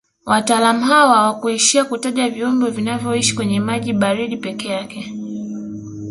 Wataalamu hao hawakuishia kutaja viumbe vinavyoishi kwenye maji baridi peke yake